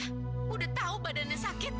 sudah tahu badannya sakit